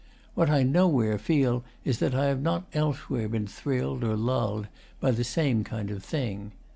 What I nowhere feel is that I have not elsewhere been thrilled or lulled by the same kind of thing.